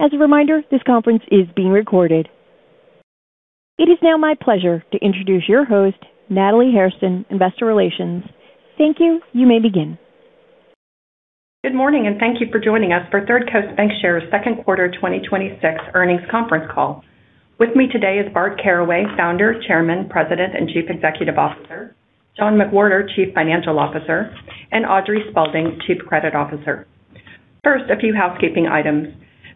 As a reminder, this conference is being recorded. It is now my pleasure to introduce your host, Natalie Hairston, Investor Relations. Thank you. You may begin. Good morning, and thank you for joining us for Third Coast Bancshares' second quarter 2026 earnings conference call. With me today is Bart Caraway, Founder, Chairman, President, and Chief Executive Officer, John McWhorter, Chief Financial Officer, and Audrey Duncan, Chief Credit Officer. First, a few housekeeping items.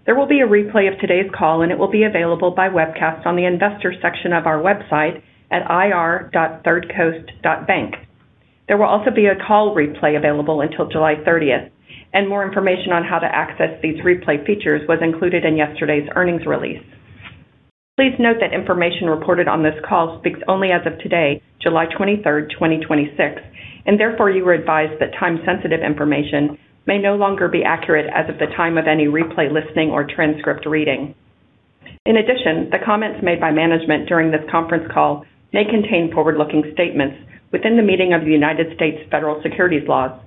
There will be a replay of today's call, and it will be available by webcast on the investor section of our website at ir.thirdcoast.bank. There will also be a call replay available until July 30th, and more information on how to access these replay features was included in yesterday's earnings release. Please note that information reported on this call speaks only as of today, July 23rd, 2026, and therefore you are advised that time-sensitive information may no longer be accurate as of the time of any replay listening or transcript reading. In addition, the comments made by management during this conference call may contain forward-looking statements within the meaning of the U.S. federal securities laws.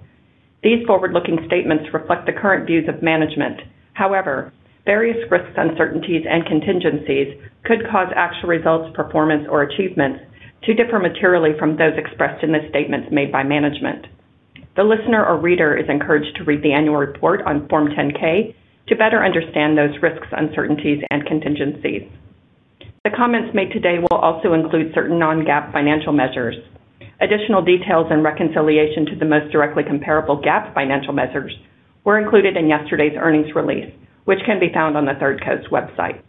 These forward-looking statements reflect the current views of management. Various risks, uncertainties, and contingencies could cause actual results, performance, or achievements to differ materially from those expressed in the statements made by management. The listener or reader is encouraged to read the annual report on Form 10-K to better understand those risks, uncertainties, and contingencies. The comments made today will also include certain non-GAAP financial measures. Additional details and reconciliation to the most directly comparable GAAP financial measures were included in yesterday's earnings release, which can be found on the Third Coast website.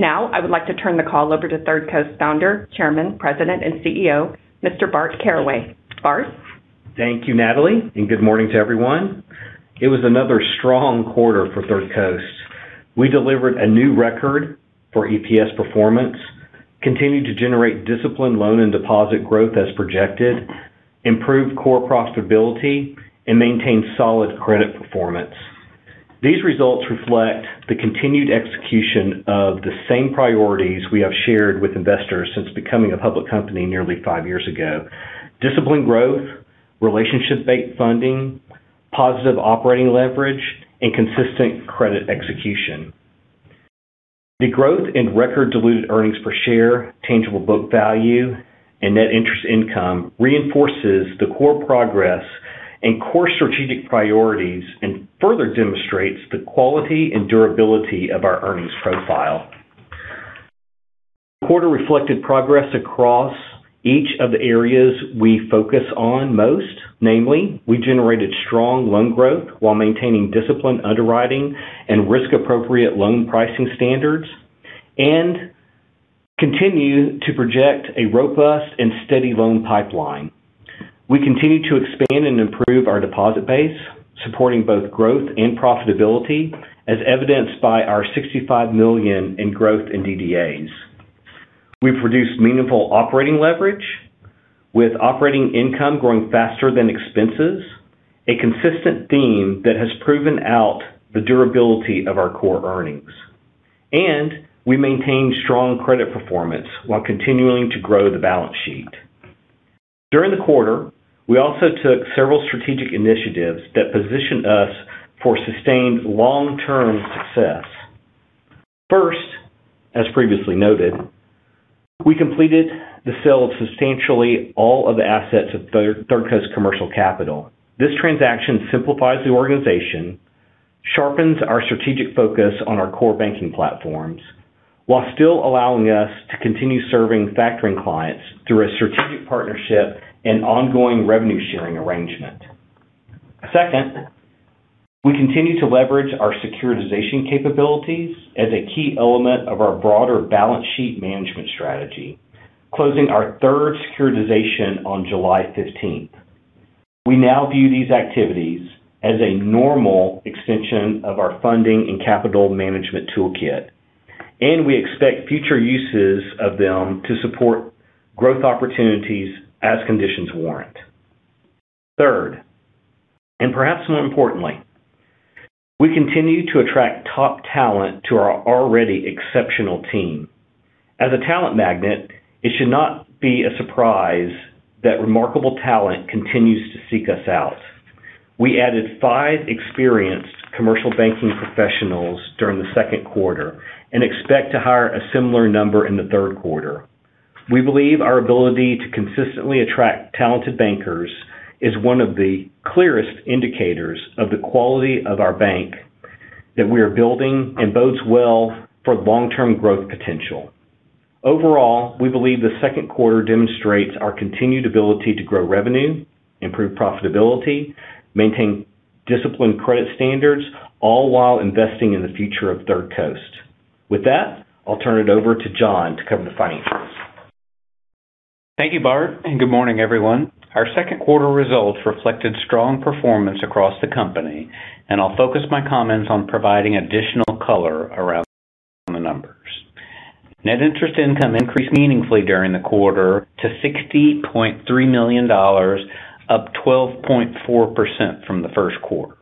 I would like to turn the call over to Third Coast Founder, Chairman, President, and CEO, Mr. Bart Caraway. Bart? Thank you, Natalie, and good morning to everyone. It was another strong quarter for Third Coast. We delivered a new record for EPS performance, continued to generate disciplined loan and deposit growth as projected, improved core profitability, and maintained solid credit performance. These results reflect the continued execution of the same priorities we have shared with investors since becoming a public company nearly five years ago: disciplined growth, relationship-based funding, positive operating leverage, and consistent credit execution. The growth in record diluted earnings per share, tangible book value, and net interest income reinforces the core progress and core strategic priorities and further demonstrates the quality and durability of our earnings profile. The quarter reflected progress across each of the areas we focus on most. Namely, we generated strong loan growth while maintaining disciplined underwriting and risk-appropriate loan pricing standards and continue to project a robust and steady loan pipeline. We continue to expand and improve our deposit base, supporting both growth and profitability, as evidenced by our $65 million in growth in DDAs. We've reduced meaningful operating leverage, with operating income growing faster than expenses, a consistent theme that has proven out the durability of our core earnings, and we maintain strong credit performance while continuing to grow the balance sheet. During the quarter, we also took several strategic initiatives that positioned us for sustained long-term success. First, as previously noted, we completed the sale of substantially all of the assets of Third Coast Commercial Capital. This transaction simplifies the organization, sharpens our strategic focus on our core banking platforms, while still allowing us to continue serving factoring clients through a strategic partnership and ongoing revenue-sharing arrangement. Second, we continue to leverage our securitization capabilities as a key element of our broader balance sheet management strategy, closing our third securitization on July 15th. We now view these activities as a normal extension of our funding and capital management toolkit. We expect future uses of them to support growth opportunities as conditions warrant. Third, perhaps more importantly, we continue to attract top talent to our already exceptional team. As a talent magnet, it should not be a surprise that remarkable talent continues to seek us out. We added five experienced commercial banking professionals during the second quarter and expect to hire a similar number in the third quarter. We believe our ability to consistently attract talented bankers is one of the clearest indicators of the quality of our bank that we are building and bodes well for long-term growth potential. Overall, we believe the second quarter demonstrates our continued ability to grow revenue, improve profitability, maintain disciplined credit standards, all while investing in the future of Third Coast. With that, I'll turn it over to John to cover the financials. Thank you, Bart, good morning, everyone. Our second quarter results reflected strong performance across the company. I'll focus my comments on providing additional color around the numbers. Net interest income increased meaningfully during the quarter to $60.3 million, up 12.4% from the first quarter.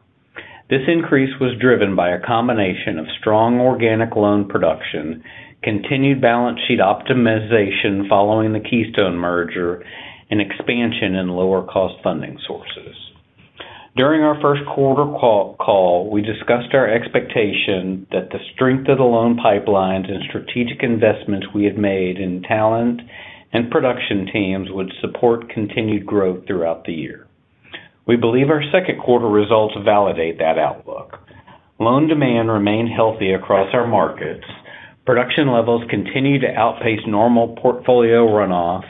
This increase was driven by a combination of strong organic loan production, continued balance sheet optimization following the Keystone merger, expansion in lower cost funding sources. During our first quarter call, we discussed our expectation that the strength of the loan pipelines and strategic investments we had made in talent and production teams would support continued growth throughout the year. We believe our second quarter results validate that outlook. Loan demand remained healthy across our markets, production levels continue to outpace normal portfolio runoff.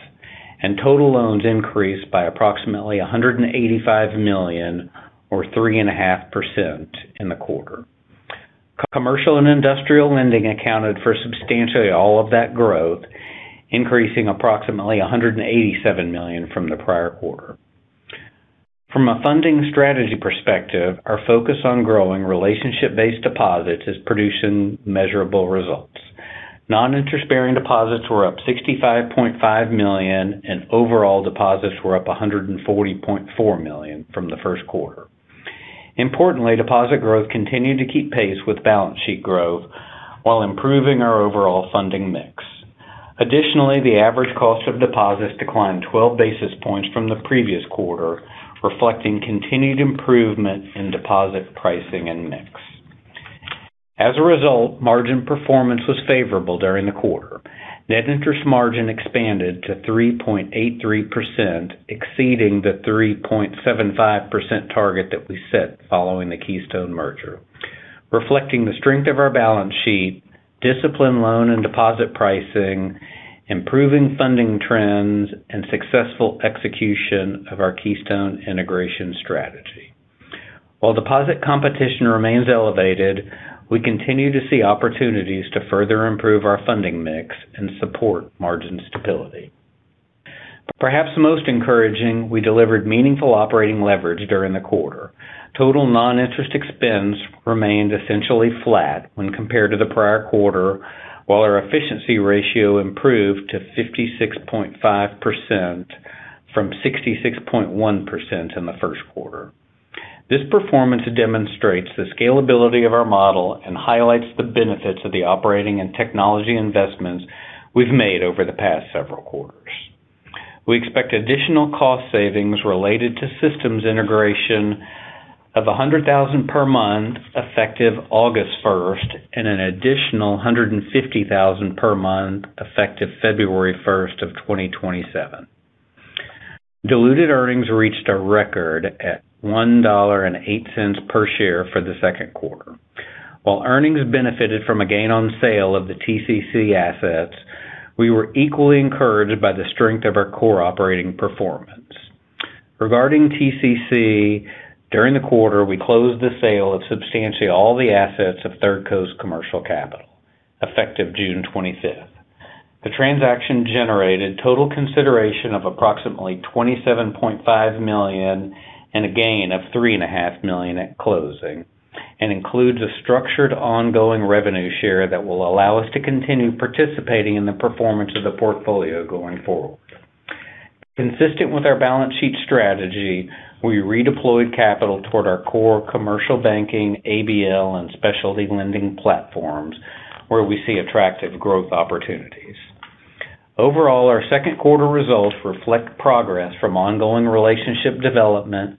Total loans increased by approximately $185 million or 3.5% in the quarter. Commercial and industrial lending accounted for substantially all of that growth, increasing approximately $187 million from the prior quarter. From a funding strategy perspective, our focus on growing relationship-based deposits is producing measurable results. Non-interest-bearing deposits were up $65.5 million, and overall deposits were up $140.4 million from the first quarter. Importantly, deposit growth continued to keep pace with balance sheet growth while improving our overall funding mix. Additionally, the average cost of deposits declined 12 basis points from the previous quarter, reflecting continued improvement in deposit pricing and mix. As a result, margin performance was favorable during the quarter. Net interest margin expanded to 3.83%, exceeding the 3.75% target that we set following the Keystone merger, reflecting the strength of our balance sheet, disciplined loan and deposit pricing, improving funding trends, and successful execution of our Keystone integration strategy. While deposit competition remains elevated, we continue to see opportunities to further improve our funding mix and support margin stability. Perhaps most encouraging, we delivered meaningful operating leverage during the quarter. Total non-interest expense remained essentially flat when compared to the prior quarter, while our efficiency ratio improved to 56.5% from 66.1% in the first quarter. This performance demonstrates the scalability of our model and highlights the benefits of the operating and technology investments we've made over the past several quarters. We expect additional cost savings related to systems integration of $100,000 per month effective August 1st and an additional $150,000 per month effective February 1st of 2027. Diluted earnings reached a record at $1.08 per share for the second quarter. While earnings benefited from a gain on sale of the TCC assets, we were equally encouraged by the strength of our core operating performance. Regarding TCC, during the quarter, we closed the sale of substantially all the assets of Third Coast Commercial Capital effective June 25th. The transaction generated total consideration of approximately $27.5 million and a gain of $3.5 million at closing and includes a structured ongoing revenue share that will allow us to continue participating in the performance of the portfolio going forward. Consistent with our balance sheet strategy, we redeployed capital toward our core commercial banking, ABL, and specialty lending platforms where we see attractive growth opportunities. Overall, our second quarter results reflect progress from ongoing relationship development,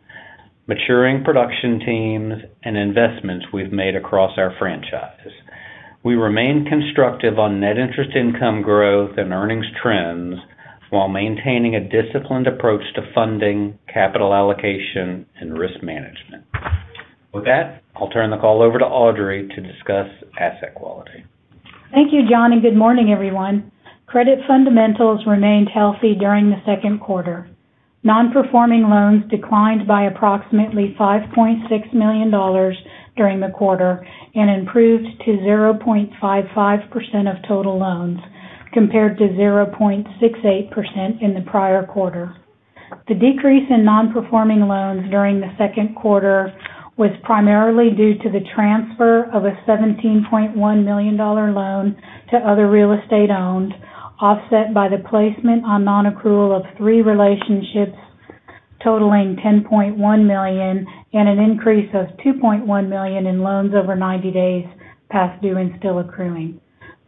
maturing production teams, and investments we've made across our franchise. We remain constructive on net interest income growth and earnings trends while maintaining a disciplined approach to funding, capital allocation, and risk management. With that, I'll turn the call over to Audrey to discuss asset quality. Thank you, John, and good morning, everyone. Credit fundamentals remained healthy during the second quarter. Non-performing loans declined by approximately $5.6 million during the quarter and improved to 0.55% of total loans, compared to 0.68% in the prior quarter. The decrease in non-performing loans during the second quarter was primarily due to the transfer of a $17.1 million loan to other real estate owned, offset by the placement on non-accrual of three relationships totaling $10.1 million and an increase of $2.1 million in loans over 90 days past due and still accruing.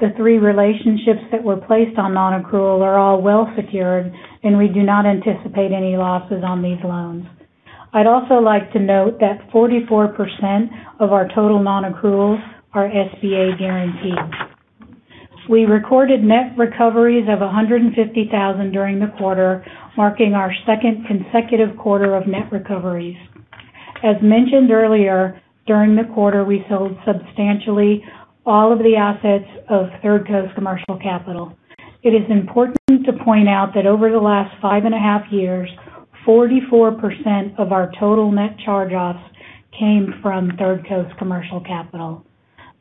The three relationships that were placed on non-accrual are all well secured, and we do not anticipate any losses on these loans. I'd also like to note that 44% of our total non-accruals are SBA guaranteed. We recorded net recoveries of $150,000 during the quarter, marking our second consecutive quarter of net recoveries. As mentioned earlier, during the quarter, we sold substantially all of the assets of Third Coast Commercial Capital. It is important to point out that over the last five and a half years, 44% of our total net charge-offs came from Third Coast Commercial Capital.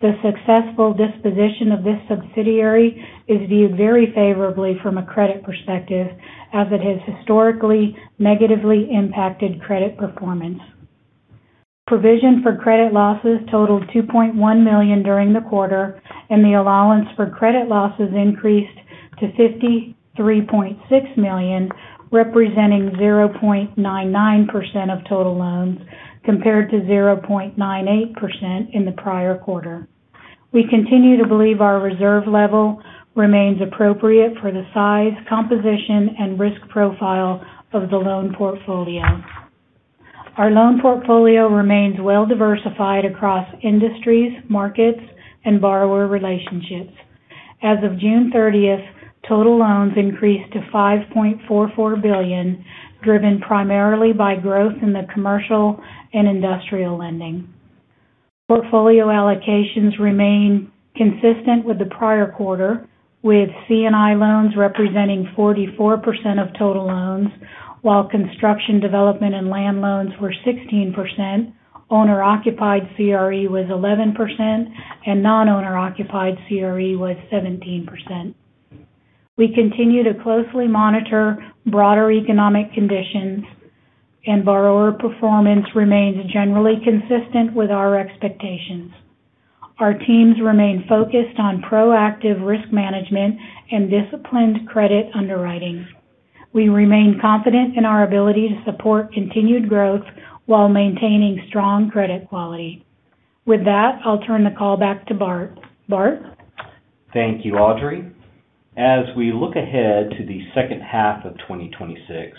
The successful disposition of this subsidiary is viewed very favorably from a credit perspective as it has historically negatively impacted credit performance. Provision for credit losses totaled $2.1 million during the quarter, and the allowance for credit losses increased to $53.6 million, representing 0.99% of total loans, compared to 0.98% in the prior quarter. We continue to believe our reserve level remains appropriate for the size, composition, and risk profile of the loan portfolio. Our loan portfolio remains well-diversified across industries, markets, and borrower relationships. As of June 30th, total loans increased to $5.44 billion, driven primarily by growth in the commercial and industrial lending. Portfolio allocations remain consistent with the prior quarter, with C&I loans representing 44% of total loans, while construction development and land loans were 16%, owner-occupied CRE was 11%, and non-owner occupied CRE was 17%. We continue to closely monitor broader economic conditions, and borrower performance remains generally consistent with our expectations. Our teams remain focused on proactive risk management and disciplined credit underwriting. We remain confident in our ability to support continued growth while maintaining strong credit quality. With that, I'll turn the call back to Bart. Bart? Thank you, Audrey. As we look ahead to the second half of 2026,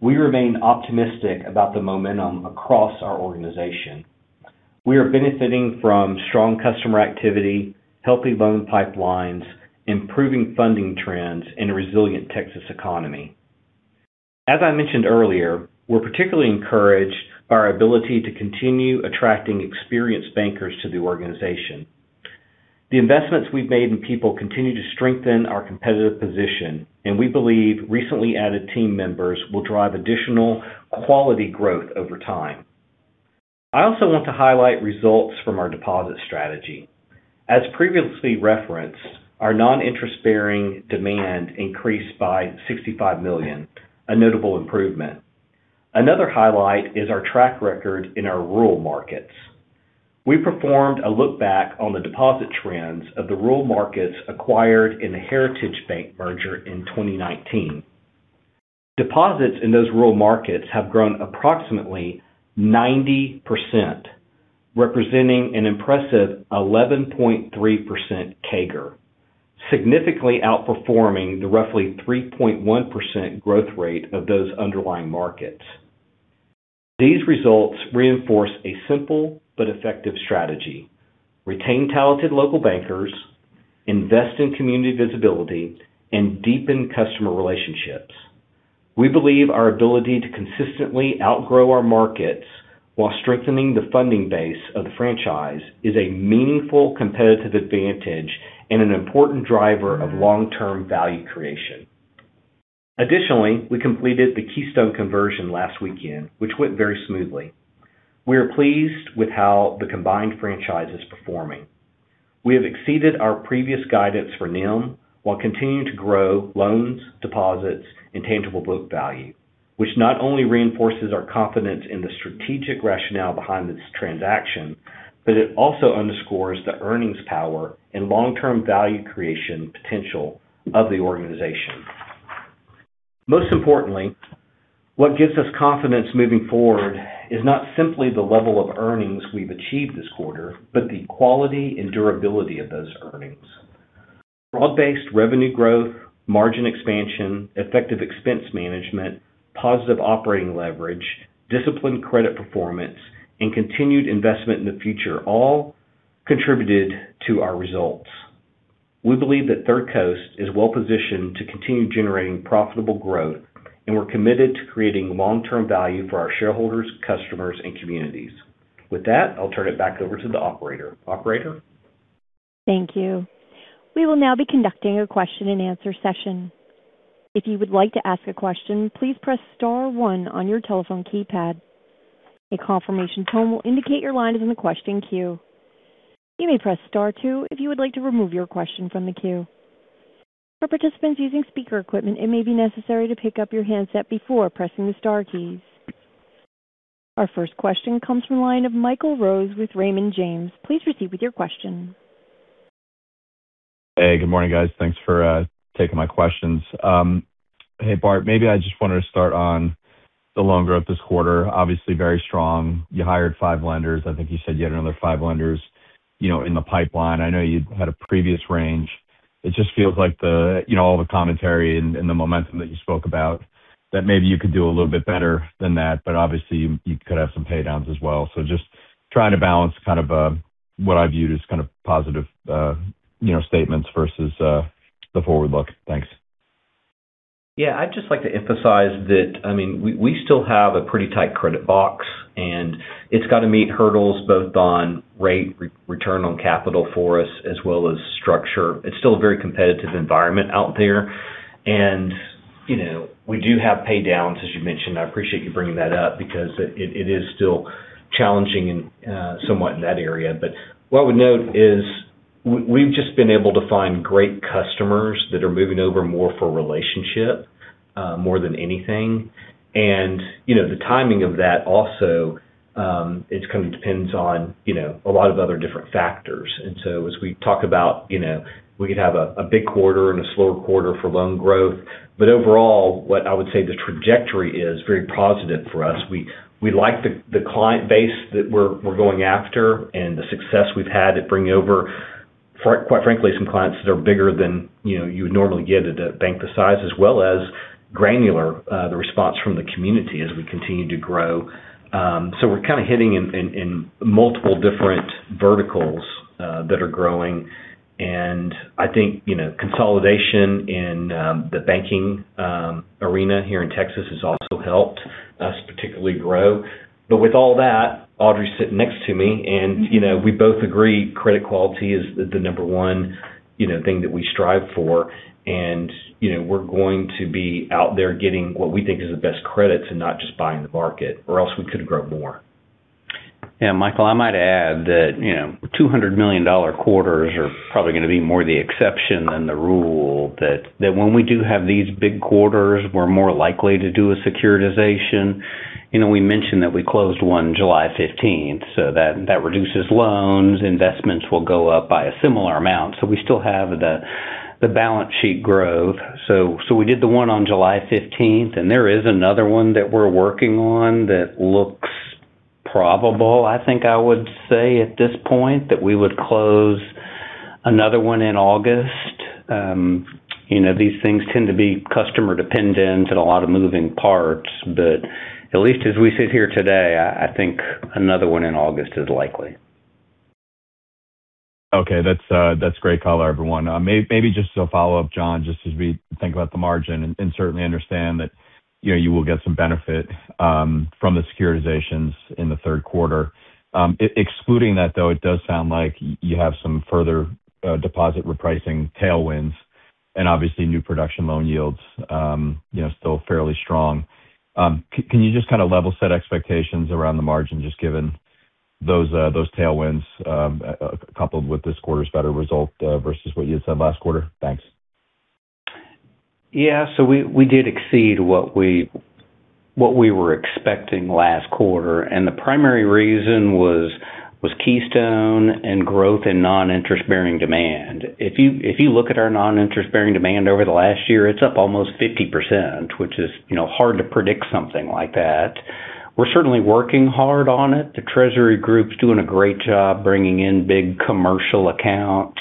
we remain optimistic about the momentum across our organization. We are benefiting from strong customer activity, healthy loan pipelines, improving funding trends, and a resilient Texas economy. As I mentioned earlier, we're particularly encouraged by our ability to continue attracting experienced bankers to the organization. The investments we've made in people continue to strengthen our competitive position, and we believe recently added team members will drive additional quality growth over time. I also want to highlight results from our deposit strategy. As previously referenced, our non-interest-bearing demand increased by $65 million, a notable improvement. Another highlight is our track record in our rural markets. We performed a look back on the deposit trends of the rural markets acquired in the Heritage Bank merger in 2019. Deposits in those rural markets have grown approximately 90%, representing an impressive 11.3% CAGR, significantly outperforming the roughly 3.1% growth rate of those underlying markets. These results reinforce a simple but effective strategy: retain talented local bankers, invest in community visibility, and deepen customer relationships. We believe our ability to consistently outgrow our markets while strengthening the funding base of the franchise is a meaningful competitive advantage and an important driver of long-term value creation. Additionally, we completed the Keystone conversion last weekend, which went very smoothly. We are pleased with how the combined franchise is performing. We have exceeded our previous guidance for NIM while continuing to grow loans, deposits, and tangible book value, which not only reinforces our confidence in the strategic rationale behind this transaction, but it also underscores the earnings power and long-term value creation potential of the organization. Most importantly, what gives us confidence moving forward is not simply the level of earnings we've achieved this quarter, but the quality and durability of those earnings. Broad-based revenue growth, margin expansion, effective expense management, positive operating leverage, disciplined credit performance, and continued investment in the future all contributed to our results. We believe that Third Coast is well-positioned to continue generating profitable growth, and we're committed to creating long-term value for our shareholders, customers, and communities. With that, I'll turn it back over to the operator. Operator? Thank you. We will now be conducting a Q&A session. If you would like to ask a question, please press star one on your telephone keypad. A confirmation tone will indicate your line is in the question queue. You may press star two if you would like to remove your question from the queue. For participants using speaker equipment, it may be necessary to pick up your handset before pressing the star keys. Our first question comes from the line of Michael Rose with Raymond James. Please proceed with your question. Hey, good morning, guys. Thanks for taking my questions. Hey, Bart, maybe I just wanted to start on the loan growth this quarter. Obviously very strong. You hired five lenders. I think you said you had another five lenders in the pipeline. I know you had a previous range. It just feels like all the commentary and the momentum that you spoke about, that maybe you could do a little bit better than that, but obviously you could have some paydowns as well. Just trying to balance what I viewed as kind of positive statements versus the forward look. Thanks. Yeah. I'd just like to emphasize that we still have a pretty tight credit box, and it's got to meet hurdles both on rate, return on capital for us, as well as structure. It's still a very competitive environment out there. We do have paydowns, as you mentioned. I appreciate you bringing that up because it is still challenging somewhat in that area. What I would note is we've just been able to find great customers that are moving over more for relationship, more than anything. The timing of that also, it kind of depends on a lot of other different factors. As we talk about, we could have a big quarter and a slower quarter for loan growth. Overall, what I would say the trajectory is very positive for us. We like the client base that we're going after and the success we've had at bringing over quite frankly, some clients that are bigger than you would normally get at a bank this size, as well as granular, the response from the community as we continue to grow. We're kind of hitting in multiple different verticals that are growing, and I think consolidation in the banking arena here in Texas has also helped us particularly grow. With all that, Audrey's sitting next to me, and we both agree credit quality is the number one thing that we strive for, and we're going to be out there getting what we think is the best credits and not just buying the market, or else we could grow more. Michael, I might add that $200 million quarters are probably going to be more the exception than the rule. That when we do have these big quarters, we're more likely to do a securitization. We mentioned that we closed one July 15th, so that reduces loans. Investments will go up by a similar amount. We still have the balance sheet growth. We did the one on July 15th, and there is another one that we're working on that looks probable, I think I would say at this point, that we would close another one in August. These things tend to be customer-dependent and a lot of moving parts, but at least as we sit here today, I think another one in August is likely. Okay, that's great color, everyone. Maybe just as a follow-up, John, just as we think about the margin and certainly understand that you will get some benefit from the securitizations in the third quarter. Excluding that, though, it does sound like you have some further deposit repricing tailwinds and obviously new production loan yields still fairly strong. Can you just kind of level set expectations around the margin, just given those tailwinds coupled with this quarter's better result versus what you had said last quarter? Thanks. We did exceed what we were expecting last quarter, and the primary reason was Keystone and growth in non-interest-bearing demand. If you look at our non-interest-bearing demand over the last year, it's up almost 50%, which is hard to predict something like that. We're certainly working hard on it. The treasury group's doing a great job bringing in big commercial accounts.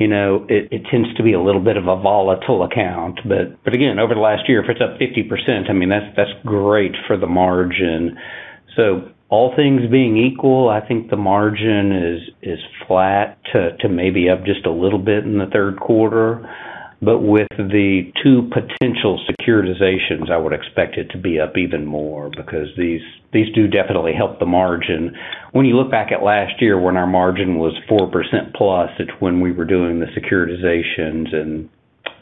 It tends to be a little bit of a volatile account. Over the last year, if it's up 50%, that's great for the margin. All things being equal, I think the margin is flat to maybe up just a little bit in the third quarter. With the two potential securitizations, I would expect it to be up even more because these do definitely help the margin. When you look back at last year when our margin was 4%+, it's when we were doing the securitizations, and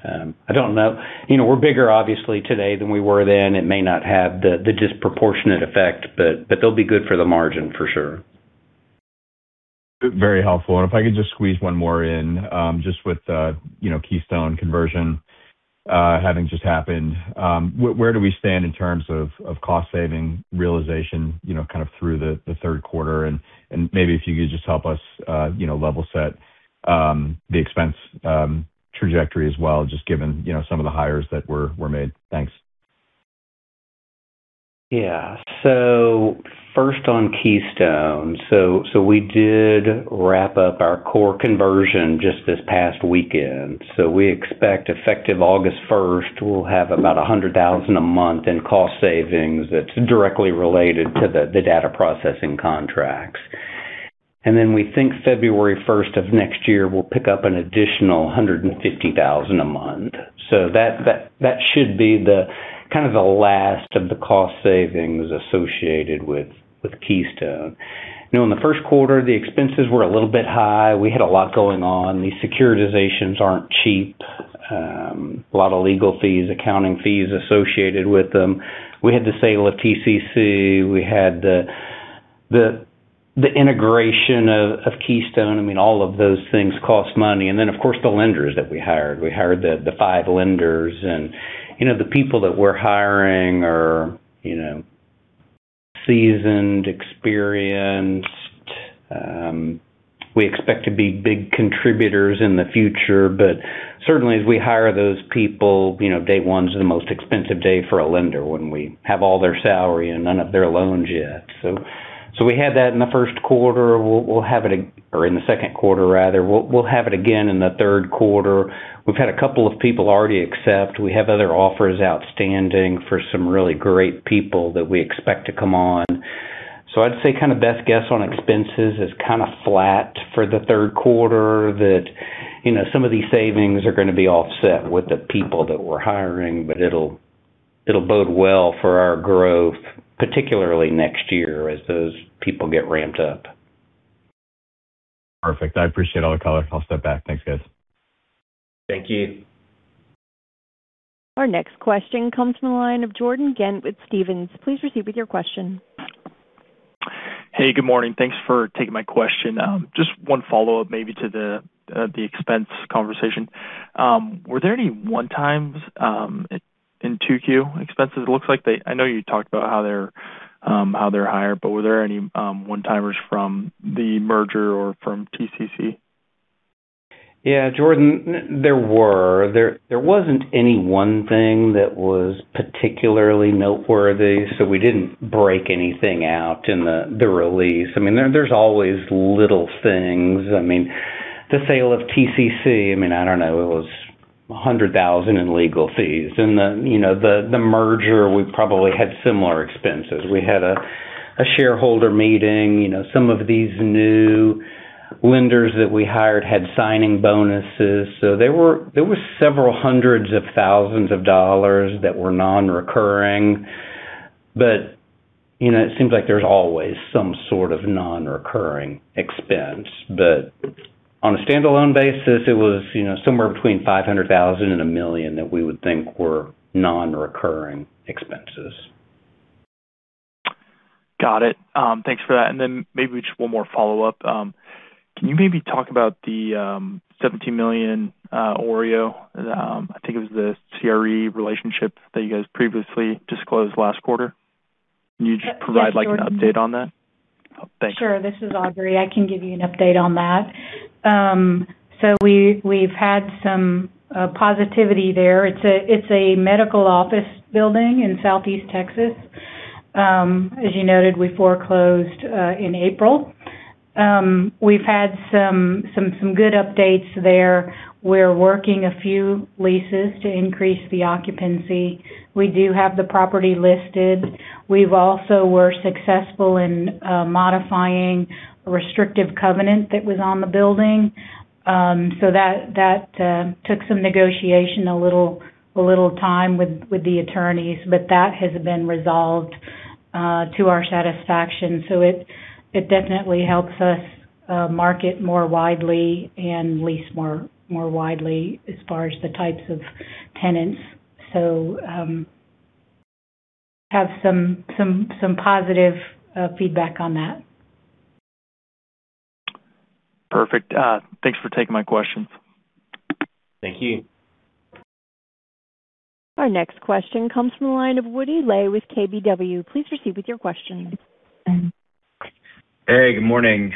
I don't know. We're bigger, obviously, today than we were then. It may not have the disproportionate effect, but they'll be good for the margin for sure. Very helpful. If I could just squeeze one more in. Just with Keystone conversion having just happened, where do we stand in terms of cost saving realization through the third quarter? Maybe if you could just help us level set the expense trajectory as well, just given some of the hires that were made. Thanks. First on Keystone. We did wrap up our core conversion just this past weekend. We expect effective August 1st, we'll have about $100,000 a month in cost savings that's directly related to the data processing contracts. We think February 1st of next year, we'll pick up an additional $150,000 a month. That should be the last of the cost savings associated with Keystone. In the first quarter, the expenses were a little bit high. We had a lot going on. These securitizations aren't cheap. A lot of legal fees, accounting fees associated with them. We had the sale of TCCC. We had the integration of Keystone. All of those things cost money. Of course, the lenders that we hired. We hired the five lenders, and the people that we're hiring are seasoned, experienced. We expect to be big contributors in the future. Certainly, as we hire those people, day one's the most expensive day for a lender when we have all their salary and none of their loans yet. We had that in the first quarter. Or in the second quarter, rather. We'll have it again in the third quarter. We've had a couple of people already accept. We have other offers outstanding for some really great people that we expect to come on. I'd say best guess on expenses is kind of flat for the third quarter, that some of these savings are going to be offset with the people that we're hiring, but it'll bode well for our growth, particularly next year as those people get ramped up. Perfect. I appreciate all the color. I'll step back. Thanks, guys. Thank you. Our next question comes from the line of Jordan Ghent with Stephens. Please proceed with your question. Hey, good morning. Thanks for taking my question. Just one follow-up maybe to the expense conversation. Were there any one-times in 2Q expenses? I know you talked about how they're higher, but were there any one-timers from the merger or from TCCC? Jordan, there were. There wasn't any one thing that was particularly noteworthy, so we didn't break anything out in the release. There's always little things. The sale of TCCC, it was $100,000 in legal fees. The merger, we probably had similar expenses. We had a shareholder meeting. Some of these new lenders that we hired had signing bonuses. There were several hundreds of thousands of dollars that were non-recurring. It seems like there's always some sort of non-recurring expense. On a standalone basis, it was somewhere between $500,000 and $1 million that we would think were non-recurring expenses. Got it. Thanks for that. Maybe just one more follow-up. Can you maybe talk about the $17 million OREO? I think it was the CRE relationship that you guys previously disclosed last quarter. Can you just provide- Yes, Jordan an update on that? Thank you. Sure. This is Audrey. I can give you an update on that. We've had some positivity there. It's a medical office building in Southeast Texas. As you noted, we foreclosed in April. We've had some good updates there. We're working a few leases to increase the occupancy. We do have the property listed. We've also were successful in modifying a restrictive covenant that was on the building. That took some negotiation, a little time with the attorneys. That has been resolved to our satisfaction. It definitely helps us market more widely and lease more widely as far as the types of tenants. Have some positive feedback on that. Perfect. Thanks for taking my questions. Thank you. Our next question comes from the line of Woody Lay with KBW. Please proceed with your question. Hey, good morning.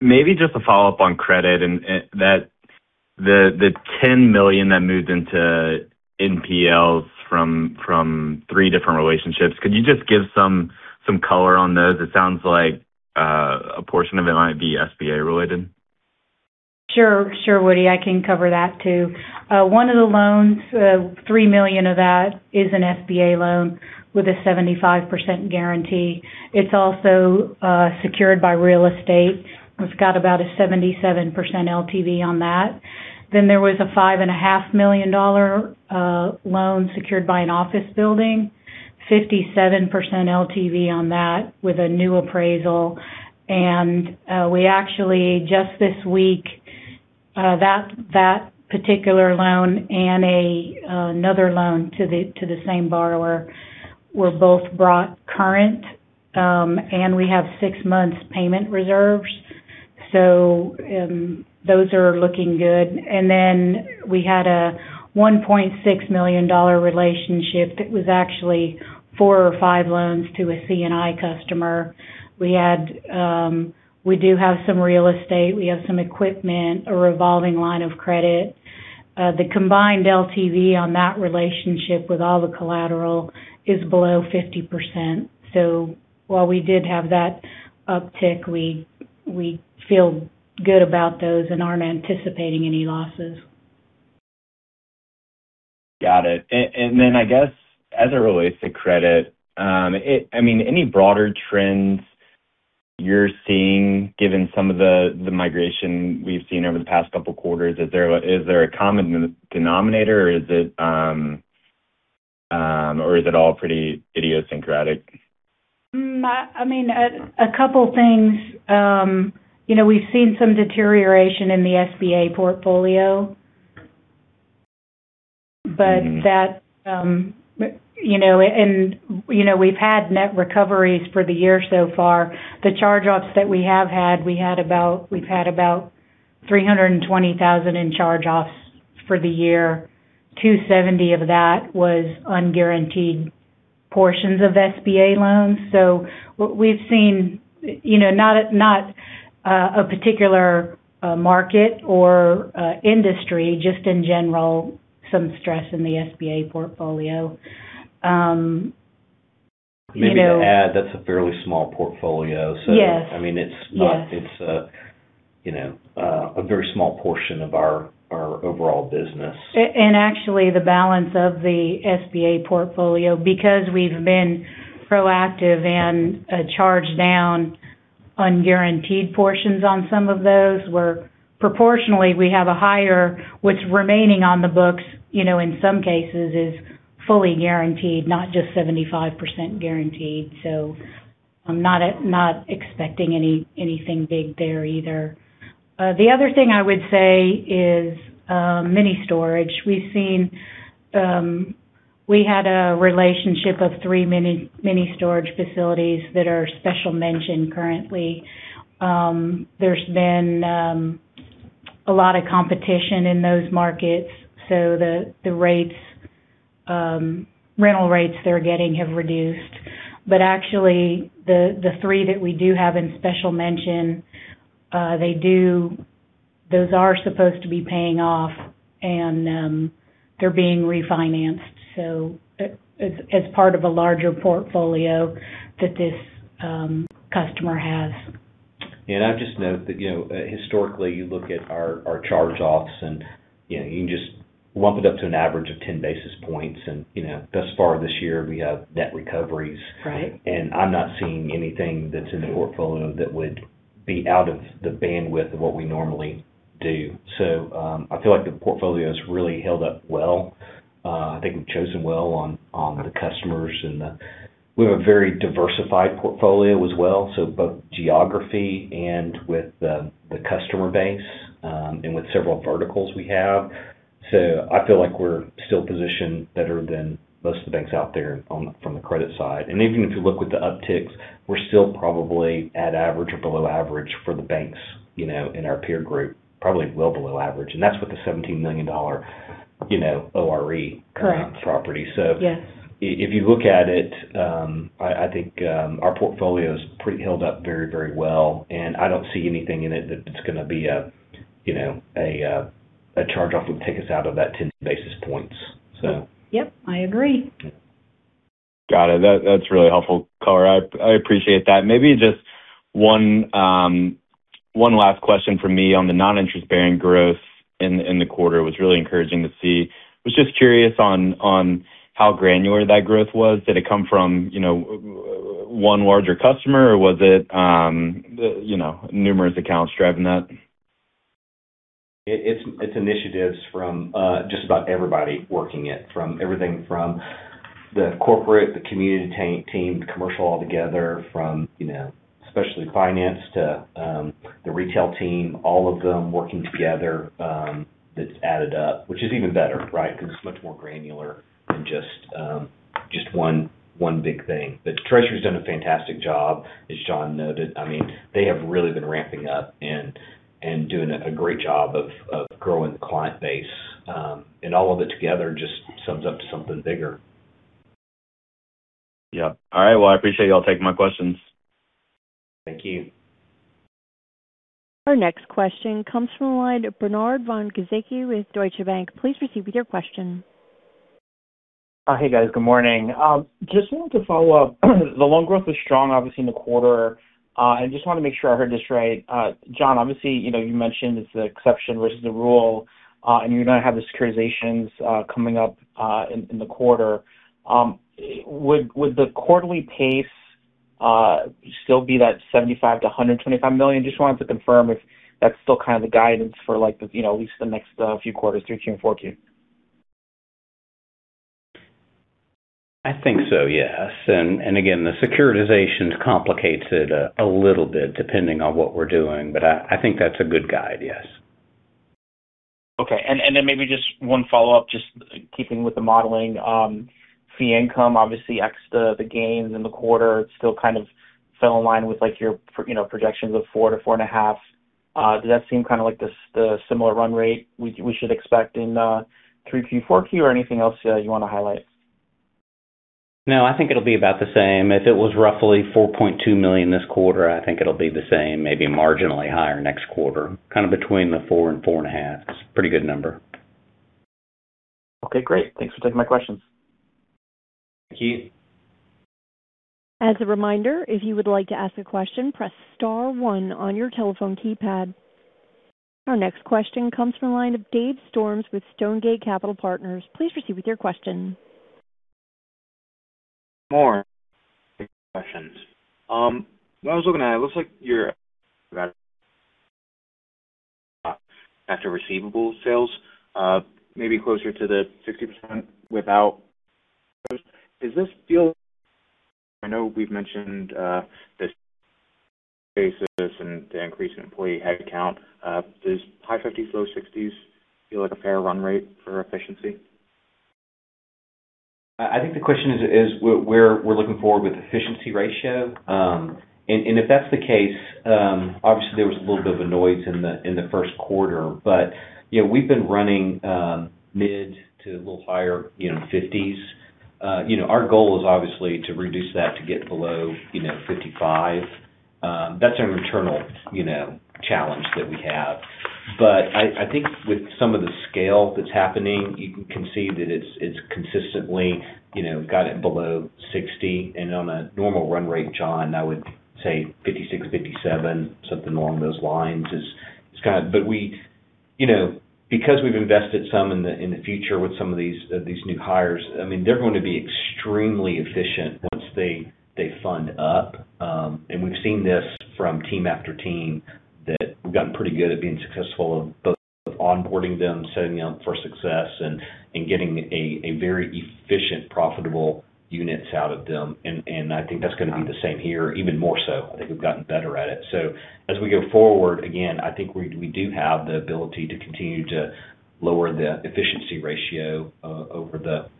Morning. Just a follow-up on credit and the $10 million that moved into NPLs from three different relationships. Could you just give some color on those? It sounds like a portion of it might be SBA related. Sure, Woody. I can cover that, too. One of the loans, $3 million of that is an SBA loan with a 75% guarantee. It is also secured by real estate. It has about a 77% LTV on that. There was a $5.5 million loan secured by an office building, 57% LTV on that with a new appraisal. We actually just this week— that particular loan and another loan to the same borrower were both brought current. We have six months payment reserves. Those are looking good. We had a $1.6 million relationship that was actually four or five loans to a C&I customer. We do have some real estate. We have some equipment, a revolving line of credit. The combined LTV on that relationship with all the collateral is below 50%. While we did have that uptick, we feel good about those and are not anticipating any losses. Got it. I guess as it relates to credit, any broader trends you're seeing given some of the migration we've seen over the past couple quarters? Is there a common denominator or is it all pretty idiosyncratic? A couple things. We've seen some deterioration in the SBA portfolio. We've had net recoveries for the year so far. The charge-offs that we have had, we've had about $320,000 in charge-offs for the year. $270 of that was unguaranteed portions of SBA loans. What we've seen, not a particular market or industry, just in general, some stress in the SBA portfolio. Maybe to add, that's a fairly small portfolio. Yes. It's a very small portion of our overall business. Actually, the balance of the SBA portfolio, because we've been proactive and charged down unguaranteed portions on some of those, where proportionally we have a higher what's remaining on the books, in some cases, is fully guaranteed, not just 75% guaranteed. I'm not expecting anything big there either. The other thing I would say is mini storage. We had a relationship of three mini storage facilities that are special mention currently. There's been a lot of competition in those markets. The rental rates they're getting have reduced. Actually, the three that we do have in special mention, those are supposed to be paying off, and they're being refinanced, as part of a larger portfolio that this customer has. Yeah. I'd just note that historically, you look at our charge-offs, and you can just lump it up to an average of 10 basis points. Thus far this year, we have net recoveries. Right. I'm not seeing anything that's in the portfolio that would be out of the bandwidth of what we normally do. I feel like the portfolio's really held up well. I think we've chosen well on the customers, and we have a very diversified portfolio as well, both geography and with the customer base, and with several verticals we have. I feel like we're still positioned better than most of the banks out there from the credit side. Even if you look with the upticks, we're still probably at average or below average for the banks in our peer group, probably well below average, and that's with the $17 million OREO- Correct. property. Yes. if you look at it, I think our portfolio's held up very well, and I don't see anything in it that it's going to be a charge-off that would take us out of that 10 basis points. Yep. I agree. Yeah. Got it. That's really helpful, Bart. I appreciate that. Maybe just one last question from me on the non-interest-bearing growth in the quarter, it was really encouraging to see. Was just curious on how granular that growth was. Did it come from one larger customer, or was it numerous accounts driving that? It is initiatives from just about everybody working it, from everything from the corporate, the community team, the commercial all together from specialty finance to the retail team, all of them working together that has added up, which is even better, because it is much more granular than just one big thing. The treasury has done a fantastic job, as John noted. They have really been ramping up and doing a great job of growing the client base. All of it together just sums up to something bigger. Yep. All right. Well, I appreciate you all taking my questions. Thank you. Our next question comes from the line of Bernard von Gizycki with Deutsche Bank. Please proceed with your question. Hey, guys. Good morning. Just wanted to follow up. The loan growth was strong, obviously, in the quarter. I just wanted to make sure I heard this right. John, obviously, you mentioned it's the exception versus the rule, and you're going to have the securitizations coming up in the quarter. Would the quarterly pace still be that $75 million-$125 million? Just wanted to confirm if that's still the guidance for at least the next few quarters through 3Q and 4Q. I think so, yes. Again, the securitizations complicates it a little bit depending on what we're doing. I think that's a good guide, yes. Okay. Maybe just one follow-up, just keeping with the modeling. Fee income, obviously, ex the gains in the quarter, it still fell in line with your projections of four to four and a half. Does that seem like the similar run rate we should expect in 3Q, 4Q, or anything else you want to highlight? No, I think it'll be about the same. If it was roughly $4.2 million this quarter, I think it'll be the same, maybe marginally higher next quarter, kind of between the four and four and a half. It's a pretty good number. Okay, great. Thanks for taking my questions. Thank you. As a reminder, if you would like to ask a question, press star one on your telephone keypad. Our next question comes from the line of Dave Storms with Stonegate Capital Partners. Please proceed with your question. Morning. Thanks for taking my questions. When I was looking at it looks like your after receivable sales, maybe closer to the 60% without .Does this feel? I know we've mentioned the basis and the increase in employee head count. Does high 50s, low 60s feel like a fair run rate for efficiency? The question is where we're looking for with efficiency ratio. If that's the case, obviously there was a little bit of a noise in the first quarter. We've been running mid to a little higher 50s. Our goal is obviously to reduce that to get below 55%. That's an internal challenge that we have. I think with some of the scale that's happening, you can see that it's consistently got it below 60%. On a normal run rate, John, I would say 56%, 57%, something along those lines. Because we've invested some in the future with some of these new hires, they're going to be extremely efficient once they fund up. We've seen this from team after team, that we've gotten pretty good at being successful of both onboarding them, setting them up for success, and getting a very efficient, profitable units out of them. I think that's going to be the same here, even more so. I think we've gotten better at it. As we go forward, again, I think we do have the ability to continue to lower the efficiency ratio over the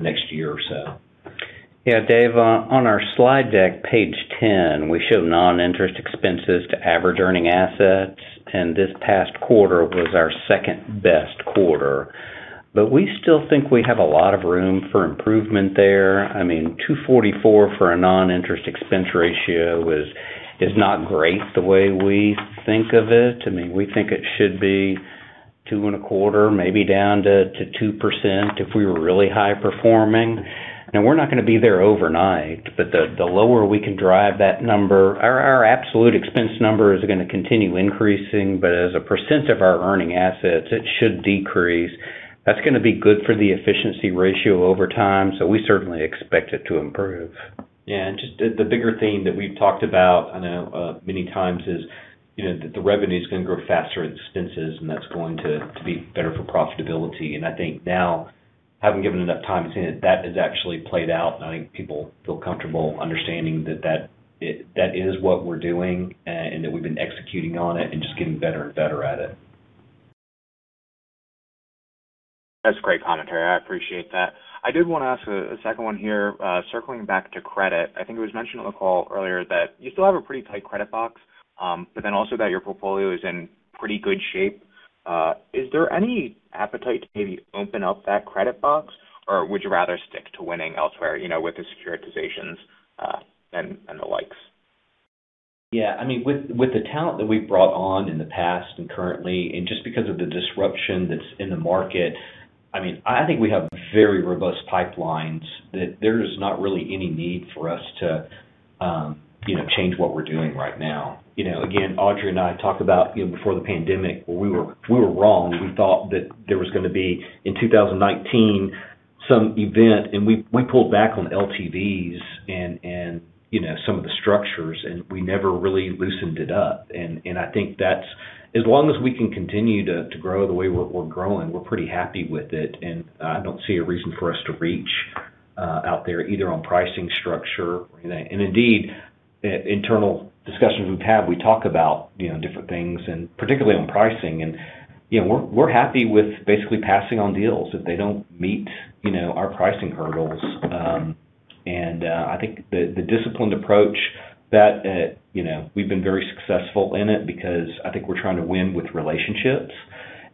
next year or so. Yeah, Dave, on our slide deck, page 10, we show non-interest expenses to average earning assets. This past quarter was our second-best quarter. We still think we have a lot of room for improvement there. 244 for a non-interest expense ratio is not great the way we think of it. We think it should be 2.25%, maybe down to 2% if we were really high-performing. We're not going to be there overnight. Our absolute expense number is going to continue increasing, but as a percent of our earning assets, it should decrease. That's going to be good for the efficiency ratio over time, we certainly expect it to improve. Yeah. Just the bigger theme that we've talked about, I know many times is that the revenue's going to grow faster than expenses. That's going to be better for profitability. I think now, having given enough time, seeing that that has actually played out, I think people feel comfortable understanding that that is what we're doing and that we've been executing on it and just getting better and better at it. That's great commentary. I appreciate that. I did want to ask a second one here. Circling back to credit, I think it was mentioned on the call earlier that you still have a pretty tight credit box, also that your portfolio is in pretty good shape. Is there any appetite to maybe open up that credit box, or would you rather stick to winning elsewhere with the securitizations and the likes? Yeah. With the talent that we've brought on in the past and currently, just because of the disruption that's in the market, I think we have very robust pipelines. There's not really any need for us to change what we're doing right now. Again, Audrey and I talked about before the pandemic where we were wrong. We thought that there was going to be, in 2019, some event, we pulled back on LTVs and some of the structures, we never really loosened it up. I think as long as we can continue to grow the way we're growing, we're pretty happy with it. I don't see a reason for us to reach out there, either on pricing structure. Indeed, internal discussions we've had, we talk about different things, and particularly on pricing. We're happy with basically passing on deals if they don't meet our pricing hurdles. I think the disciplined approach that we've been very successful in it because I think we're trying to win with relationships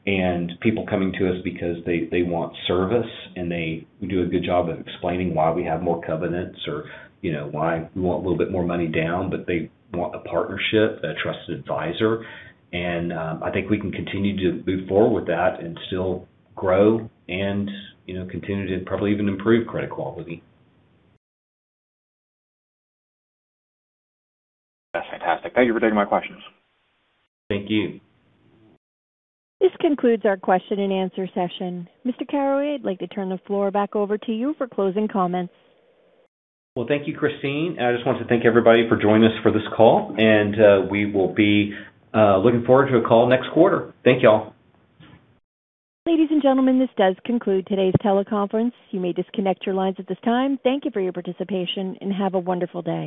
and people coming to us because they want service, and we do a good job of explaining why we have more covenants or why we want a little bit more money down. They want a partnership, a trusted advisor. I think we can continue to move forward with that and still grow and continue to probably even improve credit quality. That's fantastic. Thank you for taking my questions. Thank you. This concludes our Q&A session. Mr. Caraway, I'd like to turn the floor back over to you for closing comments. Well, thank you, Christine. I just want to thank everybody for joining us for this call, and we will be looking forward to a call next quarter. Thank you all. Ladies and gentlemen, this does conclude today's teleconference. You may disconnect your lines at this time. Thank you for your participation, and have a wonderful day.